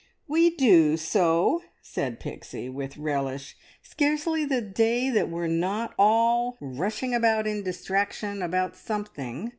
"We do so!" said Pixie with relish. "Scarcely the day that we're not all rushing about in distraction about something.